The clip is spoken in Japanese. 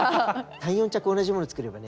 ３４着同じ物作ればね